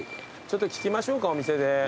ちょっと聞きましょうかお店で。